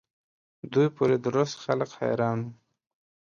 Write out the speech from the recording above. دوی پوري درست خلق وو حیران.